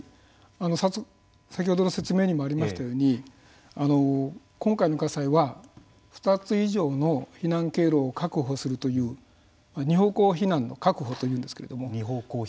先ほどの説明にもありましたように今回の火災は２つ以上の避難経路を確保するという２方向避難の確保というんですけれども。